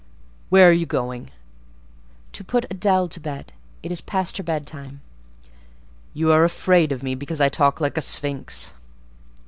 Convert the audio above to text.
"Where are you going?" "To put Adèle to bed: it is past her bedtime." "You are afraid of me, because I talk like a Sphynx."